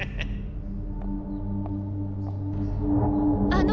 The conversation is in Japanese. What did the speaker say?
あの。